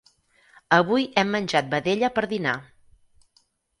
Avui hem menjat vedella per dinar.